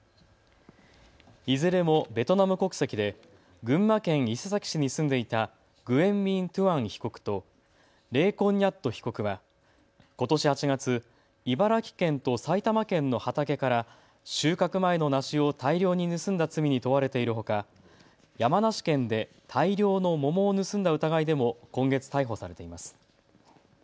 いずれもベトナム国籍で群馬県伊勢崎市に住んでいたグエン・ミン・トゥアン被告とレー・コン・ニャット被告はことし８月、茨城県と埼玉県の畑から収穫前の梨を大量に盗んだ罪に問われているほか、山梨県で大量の桃を盗んだ疑いでも今月、逮捕されています。